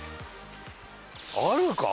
あるか？